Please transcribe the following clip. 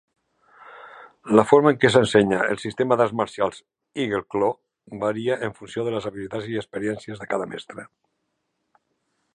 La forma en què s'ensenya el sistema d'arts marcials Eagle Claw varia en funció de les habilitats i experiències de cada mestre.